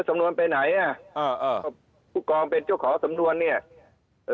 สำนวนไปไหนอ่ะอ่าเอ่อผู้กองเป็นเจ้าของสำนวนเนี้ยเอ่อ